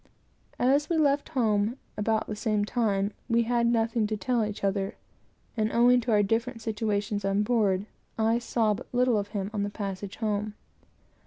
As we left home about the same time, we had nothing to tell one another; and, owing to our different situations on board, I saw but little of him on the passage home.